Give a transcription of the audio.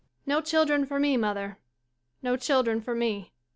] No children for me, mother. No children for me.